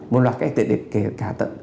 một loạt cách để kể cả tận